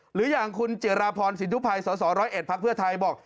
หรืออย่างคุณเจราพรศิษฐุภัยสศ๑๐๑พภไทยบอก